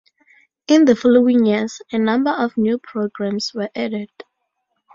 In the following years, a number of new programs were added.